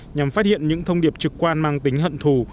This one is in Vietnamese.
nhằm phát hiện những thông điệp trực quan mang tính hận thù